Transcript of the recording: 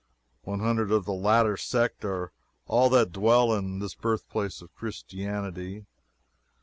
One hundred of the latter sect are all that dwell now in this birthplace of Christianity.